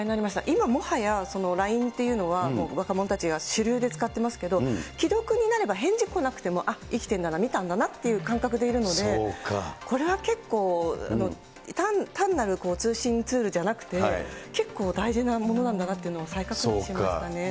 今、もはやＬＩＮＥっていうのは、若者たちが主流で使ってますけど、既読になれば返事来なくても、あっ、生きてるんだな、見たんだなっていう感覚でいるので、これは結構、単なる通信ツールじゃなくて、結構、大事なものなんだなというのを再確認しましたね。